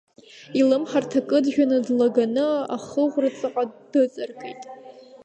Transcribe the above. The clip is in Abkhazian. Илымҳарҭа кыджәаны длаганы ахыӷәраҵаҟа дыҵаркит.